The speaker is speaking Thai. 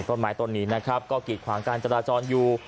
ต้นไม้ตะบนนี้ก็กิดทุกความการจราจรที่อยู่